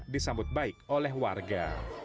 disambut baik oleh warga